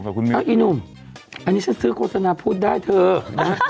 อันนี้ฉันซื้อโฆษณาพูดได้เถอะนะ